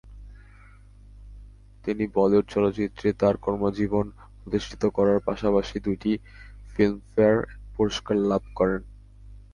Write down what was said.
তিনি বলিউড চলচ্চিত্রে তার কর্মজীবন প্রতিষ্ঠিত করার পাশাপাশি দুইটি ফিল্মফেয়ার পুরস্কার লাভ করেন।